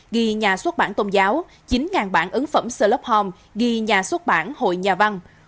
ghi nhà xuất bản tôn giáo chín bản ứng phẩm selot home ghi nhà xuất bản hội nhà văn